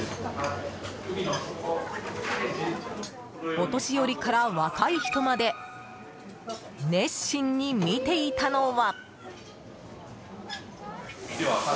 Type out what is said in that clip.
お年寄りから若い人まで熱心に見ていたのは。